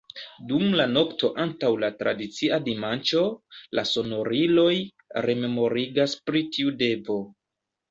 Dum la nokto antaŭ la tradicia dimanĉo, la sonoriloj rememorigas pri tiu devo.